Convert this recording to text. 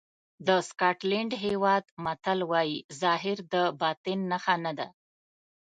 د سکاټلېنډ هېواد متل وایي ظاهر د باطن نښه نه ده.